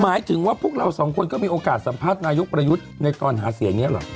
หมายถึงว่าพวกเราสองคนก็มีโอกาสสัมภาษณ์นายกประยุทธ์ในตอนหาเสียงนี้เหรอ